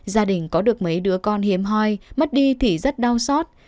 gia đình có được mấy đứa con hiếm hoi mất đi thì rất đau xót